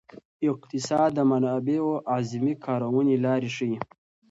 اقتصاد د منابعو اعظمي کارونې لارې ښيي.